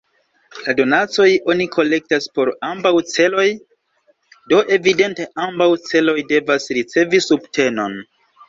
La donacojn oni kolektas por ambaŭ celoj, do evidente ambaŭ celoj devas ricevi subtenon.